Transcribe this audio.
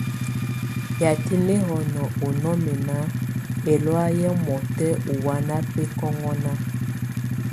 Yatɛ nɛhɔnɔ ɔ nɔmɛna, ɛlɔa yɛ ɔmɔtɛ ɔwa ana bɛkɔŋɔna.